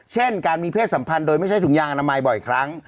เช่นการมีเพศสัมพันธ์โดยไม่ใช่ถุงยางอนามัยบ่อยครั้ง